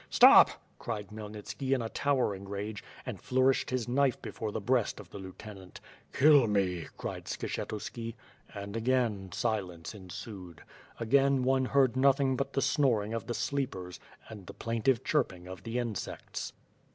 "Stop!" cried Khmyenitvski in a towering rage, and flour ished his knife before the ])reast of the lieutenant. "Kill me!" cried Skshetuski. And again silence ensued. Again one heard nothing but the snoring of the sleepers, and the plaintive chirping of the insects.